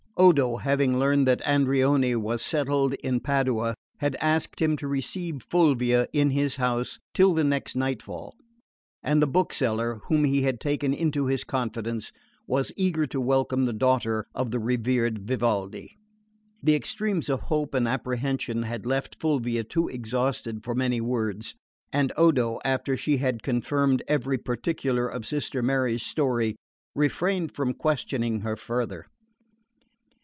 Odo, having learned that Andreoni was settled in Padua, had asked him to receive Fulvia in his house till the next night fall; and the bookseller, whom he had taken into his confidence, was eager to welcome the daughter of the revered Vivaldi. The extremes of hope and apprehension had left Fulvia too exhausted for many words, and Odo, after she had confirmed every particular of Sister Mary's story, refrained from questioning her farther.